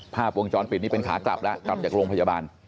ภาพวงจรปิดนี่เป็นขากลับแล้วกลับจากโรงพยาบาล